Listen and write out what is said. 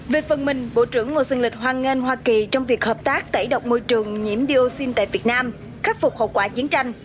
về phần mình bộ trưởng ngô xuân lịch hoan nghênh hoa kỳ trong việc hợp tác tẩy độc môi trường nhiễm dioxin tại việt nam khắc phục hậu quả chiến tranh